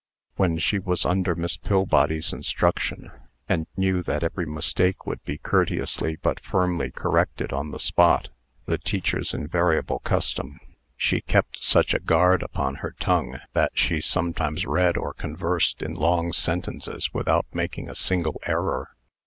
When she was under Miss Pillbody's instructions, and knew that every mistake would be courteously but firmly corrected on the spot (the teacher's invariable custom), she kept such a guard upon her tongue that she sometimes read or conversed in long sentences without making a single error.